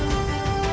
aku harus menolongnya